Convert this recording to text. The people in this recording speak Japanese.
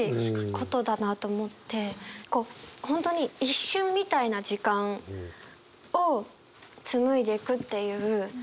こう本当に一瞬みたいな時間を紡いでくっていう。